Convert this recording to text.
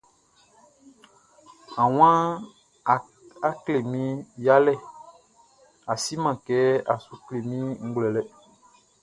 A wan, a klɛ mi yalɛ, a si man kɛ, a sou klɛ mi nʼglouɛlɛ.